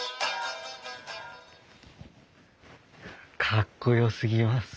かっこよすぎます。